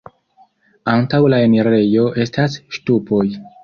Antaŭ la enirejo estas ŝtupoj.